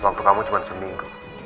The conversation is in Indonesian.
waktu kamu cuma seminggu